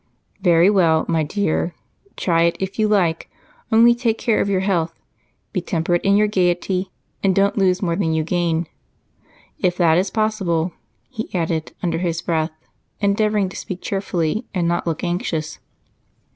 "Very well, my dear, try it if you like, only take care of your health be temperate in your gaiety and don't lose more than you gain, if that is possible," he added under his breath, endeavoring to speak cheerfully and not look anxious.